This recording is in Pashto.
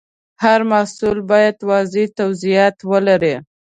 هر محصول باید واضح توضیحات ولري.